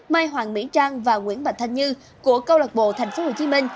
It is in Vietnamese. mai hoàng mỹ trang và nguyễn bạch thanh như của câu lạc bộ tp hcm